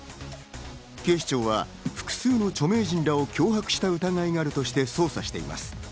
警視庁は複数の著名人らを脅迫した疑いがあるとして捜査しています。